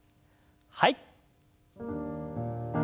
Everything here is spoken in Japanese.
はい。